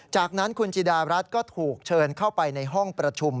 จากนั้นคุณจิดารัฐก็ถูกเชิญเข้าไปในห้องประชุม